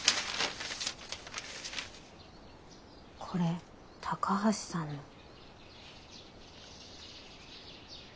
これ高橋さんの。